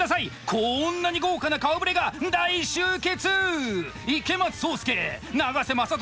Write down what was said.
こんなに豪華な顔ぶれが大集結！